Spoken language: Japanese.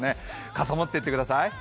傘を持っていってください。